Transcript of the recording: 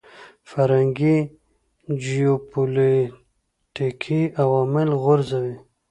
فرهنګي جیوپولیټیکي عوامل غورځوي.